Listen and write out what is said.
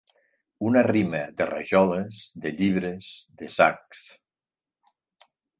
Una rima de rajoles, de llibres, de sacs.